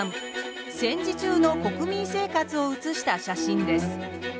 戦時中の国民生活を写した写真です。